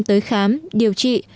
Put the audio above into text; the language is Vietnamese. tới khám điều trị